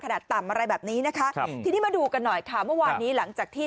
ต่ำอะไรแบบนี้นะคะครับทีนี้มาดูกันหน่อยค่ะเมื่อวานนี้หลังจากที่